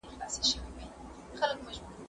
زه قلم استعمالوم کړی دی!؟